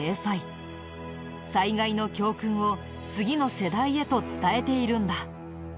災害の教訓を次の世代へと伝えているんだ。